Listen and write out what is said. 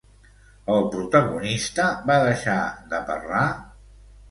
El protagonista va deixar de parlar?